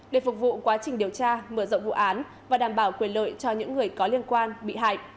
để phục vụ quá trình điều tra mở rộng vụ án và đảm bảo quyền lợi cho những người có liên quan bị hại